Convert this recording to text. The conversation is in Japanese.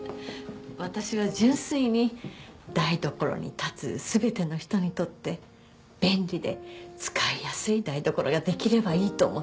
私は純粋に台所に立つ全ての人にとって便利で使いやすい台所ができればいいと思って。